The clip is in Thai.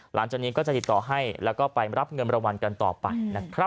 หลังจากนี้ก็จะติดต่อให้แล้วก็ไปรับเงินประวัติกันต่อไป